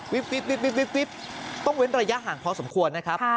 วิบต้องเว้นระยะห่างพอสมควรนะครับ